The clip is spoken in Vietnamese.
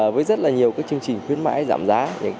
với rất là nhiều chương trình khuyến mãi giảm giá